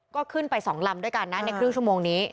ก็ขึ้นไป๒ลำด้วยกันนะในครึ่งชั่วโมงนี้